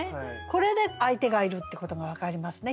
これで相手がいるってことが分かりますね。